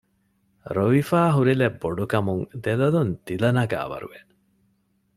ރޮވިފައި ހުރިލެތް ބޮޑު ކަމުން ދެ ލޮލުން ދިލަ ނަގާވަރު ވެ